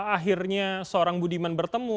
akhirnya seorang budiman bertemu